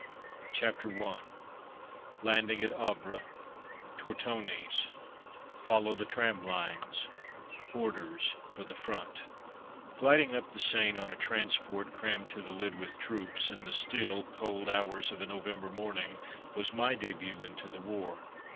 CHAPTER I LANDING AT HAVRE TORTONI'S FOLLOW THE TRAM LINES ORDERS FOR THE FRONT [Illustration: G] Gliding up the Seine, on a transport crammed to the lid with troops, in the still, cold hours of a November morning, was my debut into the war.